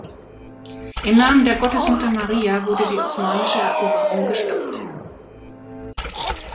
Im Namen der Gottesmutter Maria wurde die osmanische Eroberung gestoppt.